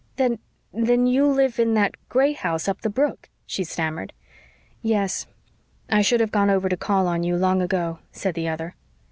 "Then then you live in that gray house up the brook," she stammered. "Yes. I should have gone over to call on you long ago," said the other.